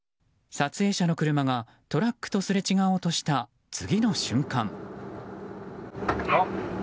撮影者の車がトラックとすれ違おうとした次の瞬間。